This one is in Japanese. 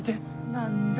何だ？